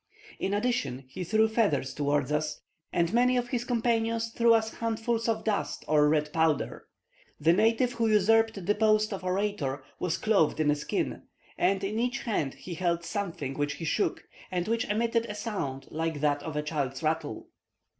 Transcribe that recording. In addition, he threw feathers towards us, and many of his companions threw us handfuls of dust or red powder. The native who usurped the post of orator was clothed in a skin, and in each hand he held something which he shook, and which emitted a sound like that of a child's rattle.